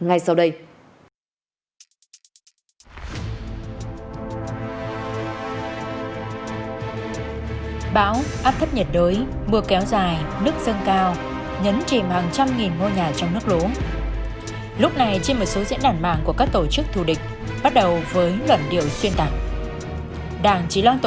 ngày sáu tháng năm